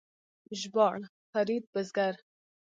ژباړ: فرید بزګر